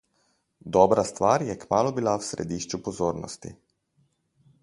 Dobra stvar je kmalu bila v središču pozornosti.